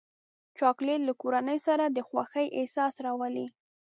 چاکلېټ له کورنۍ سره د خوښۍ احساس راولي.